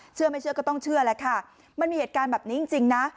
เชื่อไม่เชื่อก็ต้องเชื่อแหละค่ะมันมีเหตุการณ์แบบนี้จริงนะ